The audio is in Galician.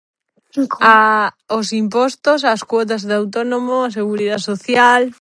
Os impostos, as cuotas de autónomo, a seguridá social.